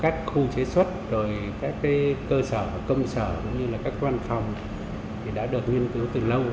các khu chế xuất các cơ sở công sở các văn phòng đã được nghiên cứu từ lâu